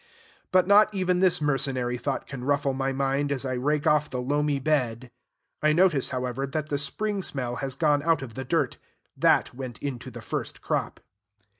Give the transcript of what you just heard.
But not even this mercenary thought can ruffle my mind as I rake off the loamy bed. I notice, however, that the spring smell has gone out of the dirt. That went into the first crop.